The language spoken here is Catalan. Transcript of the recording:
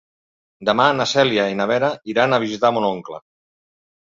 Demà na Cèlia i na Vera iran a visitar mon oncle.